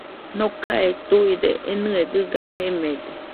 Nokae tuide enɨe dɨga jemede